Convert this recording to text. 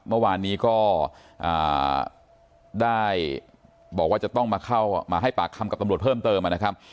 เมื่อวานนี้ก็ได้บอกว่าจะต้องมาเข้ามาให้ปากคำกับตำรวจเพิ่มเติมนะครับ